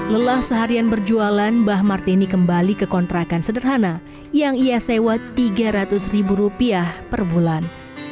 lelah seharian berjualan mbah martini kembali ke kontrakan sederhana yang ia sewa rp tiga ratus ribu rupiah per bulan